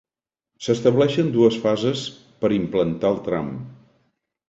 S'estableixen dues fases per implantar el tram.